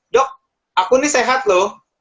dok aku nih sehat loh